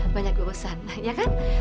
banyak urusan ya kan